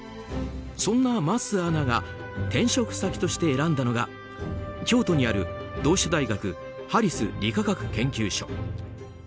そんな桝アナが転職先として選んだのが京都にある同志社大学ハリス理化学研究所。